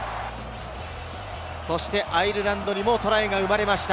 そして、アイルランドにもトライが生まれました。